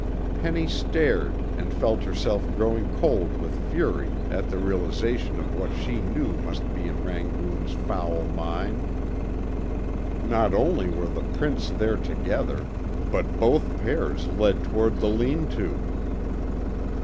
Penny stared and felt herself growing cold with fury at the realization of what she knew must be in Rangoon's foul mind. Not only were the prints there together, but both pairs led toward the lean to.